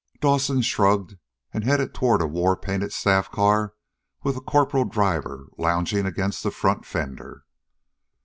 Dawson shrugged and headed toward a war painted staff car with a corporal driver lounging against a front fender.